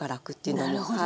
なるほど！